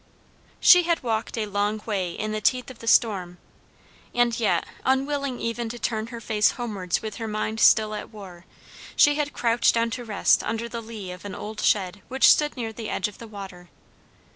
She had walked a long way in the teeth of the storm, and yet, unwilling even to turn her face homewards with her mind still at war, she had crouched down to rest under the lee of an old shed which stood near the edge of the water.